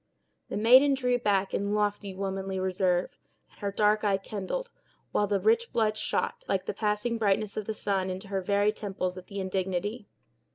The maiden drew back in lofty womanly reserve, and her dark eye kindled, while the rich blood shot, like the passing brightness of the sun, into her very temples, at the indignity.